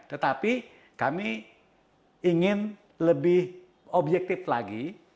tetapi kami ingin lebih objektif lagi